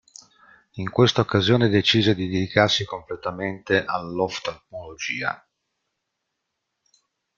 In questa occasione decise di dedicarsi completamente all'oftalmologia.